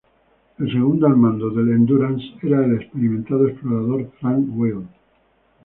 El segundo al mando del "Endurance" era el experimentado explorador Frank Wild.